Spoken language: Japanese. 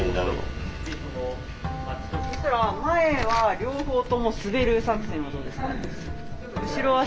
そしたら前は両方とも滑る作戦はどうですか？